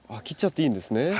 切っちゃっていいんですね。